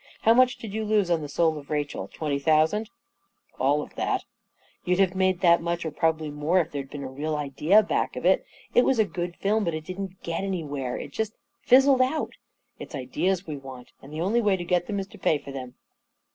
How much did you lose on ' The Soul of Rachel '? Twenty thou sand?" 41 All of that" " You'd have made that much — or probably more — if there'd been a real idea back of it. It was a good film, but it didn't get anywhere — it just fizzled out. It's ideas we want. And the only way to get them is to pay for them."